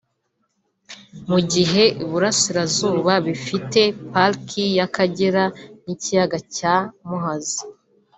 mu gihe Uburasirazuba bifite Pariki y’Akagera n’ikiyaga cya Muhazi